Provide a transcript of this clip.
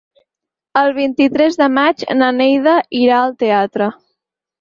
El vint-i-tres de maig na Neida irà al teatre.